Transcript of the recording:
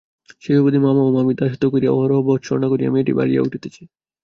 সেই অবধি মামা ও মামীর দাসত্ব করিয়া অহরহ ভর্ৎসনা সহিয়া মেয়েটি বাড়িয়া উঠিতেছে।